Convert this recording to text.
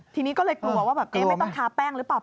ทีนี้ก็เลยกลัวว่าแบบไม่ต้องทาแป้งหรือเปล่า